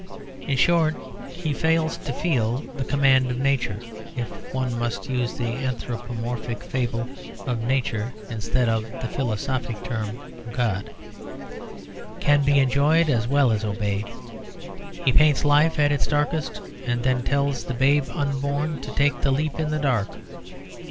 In short, he fails to feel that the command of Nature (if one must use the anthropomorphic fable of Nature instead of the philosophic term God) can be enjoyed as well as obeyed. He paints life at its darkest and then tells the babe unborn to take the leap in the dark.